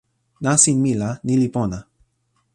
nasin mi la ni li pona.